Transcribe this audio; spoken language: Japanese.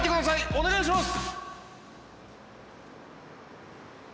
お願いします！